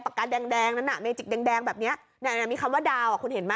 ปากกันแดงนั้นน่ะแบบนี้มีคำว่าดาวคุณเห็นมั้ย